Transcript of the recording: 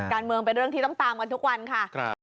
เป็นเรื่องที่ต้องตามกันทุกวันค่ะ